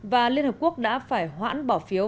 và liên hợp quốc đã phải hoãn bỏ phiếu